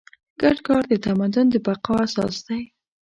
ګډ کار د تمدن د بقا اساس دی.